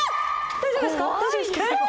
大丈夫ですか？